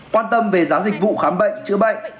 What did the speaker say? quan tâm về giá dịch vụ khám bệnh chữa bệnh